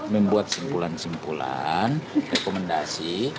membuat simpulan simpulan rekomendasi